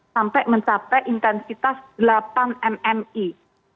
sampai mencapai intensitas delapan mm ii